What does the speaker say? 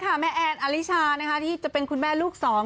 ถามเหมือนกันมั้งมันบอกทุ้ยไม่ห่วง